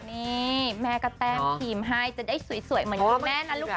นี่แม่ก็แต้มครีมให้จะได้สวยเหมือนคุณแม่นะลูก